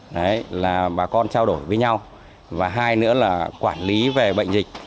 thứ hai là bà con trao đổi với nhau và hai nữa là quản lý về bệnh dịch